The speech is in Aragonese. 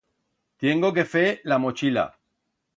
Tiengo que fer la mochila.